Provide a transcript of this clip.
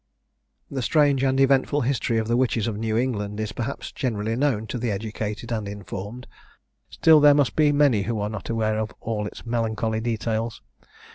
The strange and eventful history of the Witches of New England is, perhaps, generally known to the educated and informed; still there must be many who are not aware of all its melancholy details.